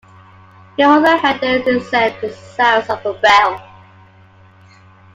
He also heard the incessant sounds of a bell.